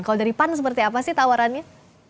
kalau dari pan seperti apa sih tawarannya